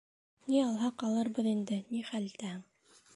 — Ни алһаҡ алырбыҙ инде, ни хәл итәһең...